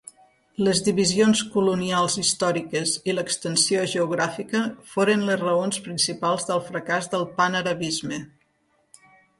Les divisions colonials històriques i l'extensió geogràfica foren les raons principals del fracàs del panarabisme.